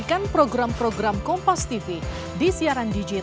dapat juga kewenangan khusus